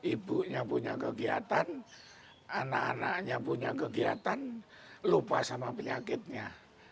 ibunya punya kegiatan anak anaknya punya kegiatan lupa sama penyakitnya